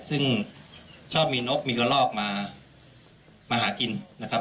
ซึ่งชอบมีนกมีกระลอกมาหากินนะครับ